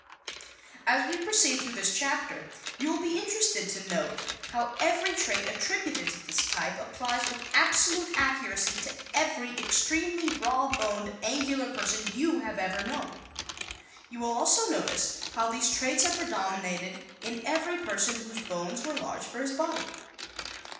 As we proceed through this chapter you will be interested to note how every trait attributed to this type applies with absolute accuracy to every extremely raw boned, angular person you have ever known. You will also notice how these traits have predominated in every person whose bones were large for his body.